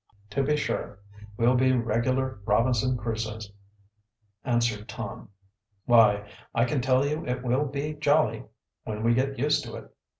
"To be sure. We'll be regular Robinson Crusoes," answered Tom. "Why, I can tell you it will be jolly, when we get used to it."